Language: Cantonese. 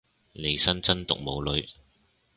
利申真毒冇女